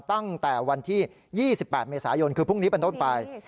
ตั้งแต่วันที่๒๘เมษายนคือพรุ่งนี้เป็นต้นไป